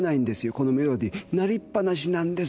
このメロディー鳴りっ放しなんです。